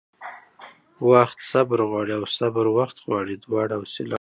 وخت صبر غواړي او صبر وخت غواړي؛ دواړه حوصله او تحمل غواړي